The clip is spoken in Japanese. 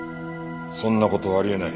そんな事はあり得ない。